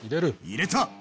入れた！